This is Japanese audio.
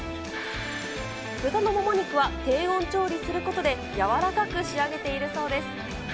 豚のもも肉は低温料理することで、柔らかく仕上げているそうです。